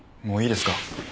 もういいですか？